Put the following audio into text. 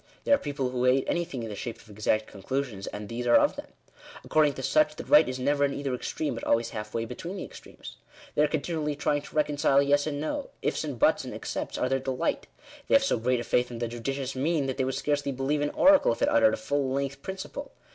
There are people who hate anything in the shape of exact conclusions ; and these are of them. According to such, the right is never in either extreme, but always halfway between the extremes. They are continually trying to reconcile Yes and No. Ife, and buts, and excepts, are their delight. They have so great a faith in "the judicious mean" that they would scarcely believe an oracle, if it uttered a fall length principle.